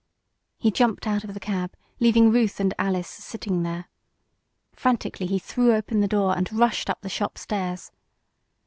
He jumped out of the cab, leaving Ruth and Alice sitting there. Frantically he threw open the door and rushed up the shop stairs.